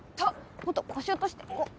もっと腰落としてこう！